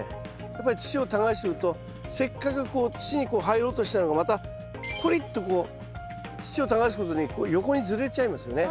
やっぱり土を耕してるとせっかくこう土にこう入ろうとしたのがまたこりっとこう土を耕すごとに横にずれちゃいますよね。